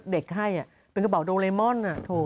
เด็กให้เป็นกระเป๋าโดเรมอน